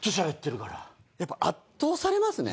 やっぱ圧倒されますね。